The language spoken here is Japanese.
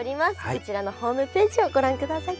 こちらのホームページをご覧ください。